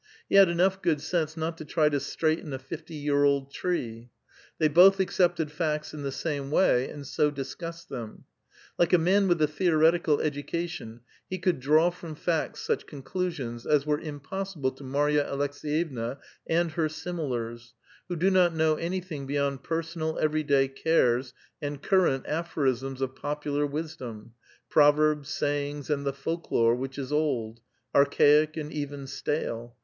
He had enough good sense not to try to straighten a fifty year old tree. They both accepted facts in the same way, and so dis cussed them. Like a man wnth a theoretical education, he could draw from facts such conclusions as were imiX)S8ible to Marya Alekseyevna and her similars, who do not know any thing beyond personal every day cares and current aphorisms of popular wisdom, — proverbs, sayings, and the folklore which is old, archaic, and even stale.